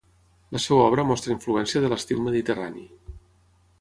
La seva obra mostra influència de l'estil mediterrani.